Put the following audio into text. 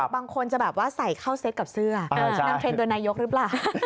บางคนจะแบบว่าใส่เข้าเซ็ตกับเสื้อนำเทรนดโดยนายกหรือเปล่า